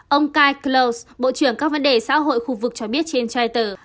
ông kai klaus bộ trưởng các vấn đề xã hội khu vực cho biết trên trái tờ